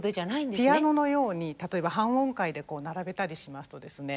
ピアノのように例えば半音階でこう並べたりしますとですね